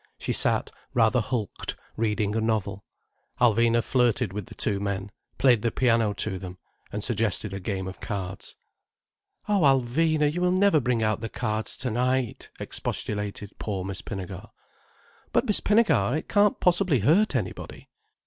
She sat, rather hulked, reading a novel. Alvina flirted with the two men, played the piano to them, and suggested a game of cards. "Oh, Alvina, you will never bring out the cards tonight!" expostulated poor Miss Pinnegar. "But, Miss Pinnegar, it can't possibly hurt anybody."